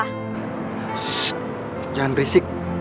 shh jangan risik